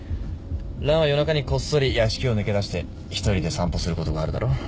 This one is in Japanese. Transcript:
ランは夜中にこっそり屋敷を抜け出して一人で散歩することがあるだろ。